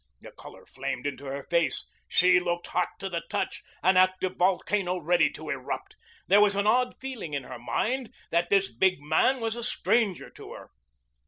The color flamed into her face. She looked hot to the touch, an active volcano ready to erupt. There was an odd feeling in her mind that this big man was a stranger to her.